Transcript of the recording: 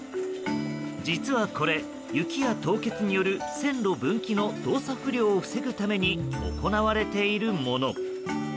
実はこれ雪や凍結による線路分岐の動作不良を防ぐために行われているもの。